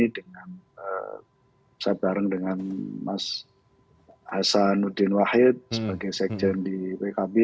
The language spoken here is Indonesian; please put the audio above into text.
dan saya bareng dengan mas hasanuddin wahid sebagai sekjen di pkb